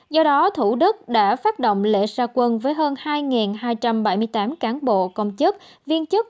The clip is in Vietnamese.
do đó thủ đức đã phát động lễ gia quân với hơn hai hai trăm bảy mươi tám cán bộ công chức viên chức